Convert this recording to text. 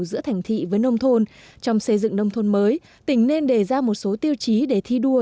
giữa thành thị với nông thôn trong xây dựng nông thôn mới tỉnh nên đề ra một số tiêu chí để thi đua